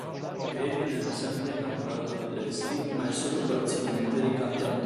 Kevin è da sempre innamorato di Leslie, ma è solo parzialmente ricambiato.